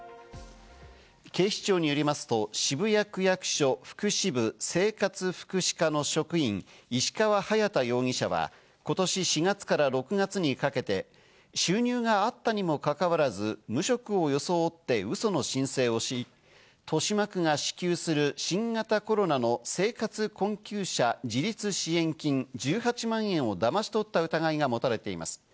警視庁によりますと、渋谷区役所福祉部生活福祉課の職員・石川隼大容疑者は今年４月から６月にかけて、収入があったにもかかわらず、無職を装ってウソの申請をし、豊島区が支給する新型コロナの生活困窮者自立支援金１８万円をだまし取った疑いが持たれています。